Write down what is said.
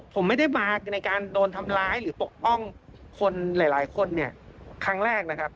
ผมไม่ได้มาในการโดนทำร้ายหรือปกป้องคนหลายคนเนี่ยครั้งแรกนะครับ